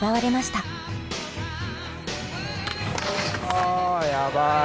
あやばい！